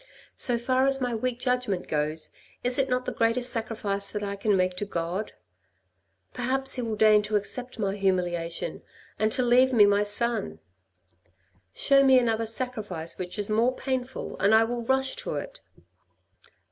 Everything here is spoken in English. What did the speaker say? So far as my weak judgment goes, is it not the greatest sacrifice that I can make to God ?— perhaps He will deign to accept my humiliation, and to leave me my son. Show me another sacrifice which is more painful and I will rush to it."